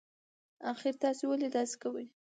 اخر تاسي ولې داسی کوئ